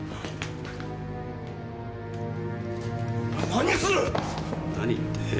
何する！？何って？